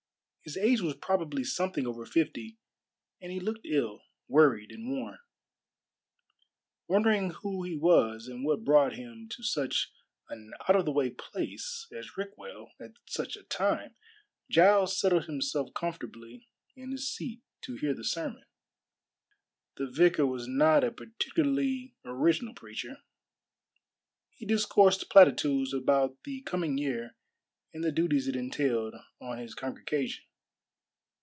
His age was probably something over fifty, and he looked ill, worried, and worn. Wondering who he was and what brought him to such an out of the way place as Rickwell at such a time, Giles settled himself comfortably in his seat to hear the sermon. The vicar was not a particularly original preacher. He discoursed platitudes about the coming year and the duties it entailed on his congregation.